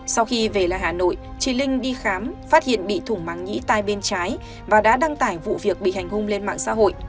sau khi về là hà nội chị linh đi khám phát hiện bị thủng màng nhĩ tai bên trái và đã đăng tải vụ việc bị hành hung lên mạng xã hội